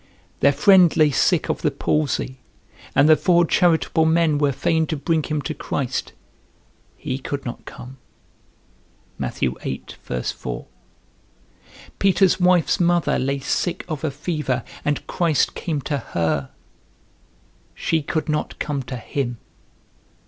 Their friend lay sick of the palsy, and the four charitable men were fain to bring him to Christ; he could not come. Peter's wife's mother lay sick of a fever, and Christ came to her; she could not come to him.